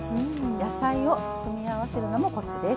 野菜を組み合わせるのもコツです。